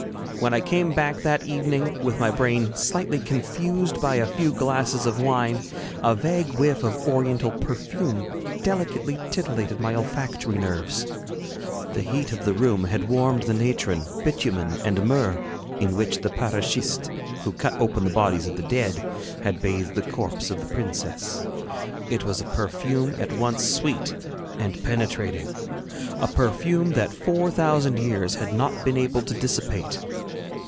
When I came back that evening, with my brain slightly confused by a few glasses of wine, a vague whiff of Oriental perfume delicately titillated my olfactory nerves. The heat of the room had warmed the natron, bitumen, and myrrh in which the paraschistes, who cut open the bodies of the dead, had bathed the corpse of the princess. It was a perfume at once sweet and penetrating, a perfume that four thousand years had not been able to dissipate.